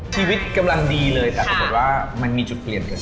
ชีวิตกำลังดีเลยแต่ถูกผลว่ามันมีจุดเปลี่ยนกัน